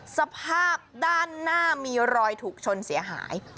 สภาพด้านหน้ามีรอยถูกชนเสียหาย